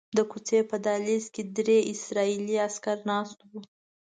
د کوڅې په دهلیز کې درې اسرائیلي عسکر ناست وو.